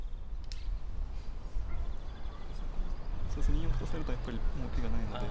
２四歩と指されるとやっぱりもう受けがないので。